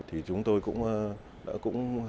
thì chúng tôi cũng